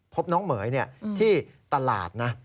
พบน้องเหม๋ยที่ตลาดนะ